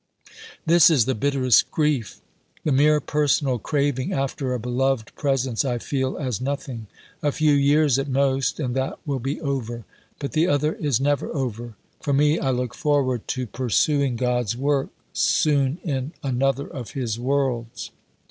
This is the bitterest grief. The mere personal craving after a beloved presence I feel as nothing. A few years at most, and that will be over. But the other is never over. For me, I look forward to pursuing God's work soon in another of his worlds.